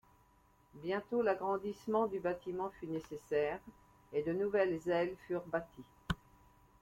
Bientôt, l'agrandissement du bâtiment fut nécessaire et de nouvelles ailes furent bâties.